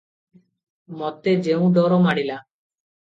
ମୋତେ ଯେଉଁ ଡର ମାଡ଼ିଲା?